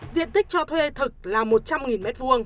diện tích cho thuê thực là một trăm linh m hai